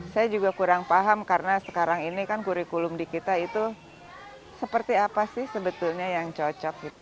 saya juga kurang paham karena sekarang ini kan kurikulum di kita itu seperti apa sih sebetulnya yang cocok